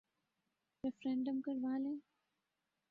Referendum کروا لیں۔